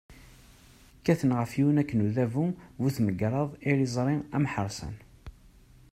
Kkaten ɣef yiwen akken udabu bu-tmegraḍ, iriẓri, amhersan.